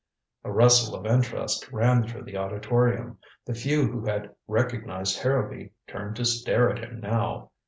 A rustle of interest ran through the auditorium. The few who had recognized Harrowby turned to stare at him now.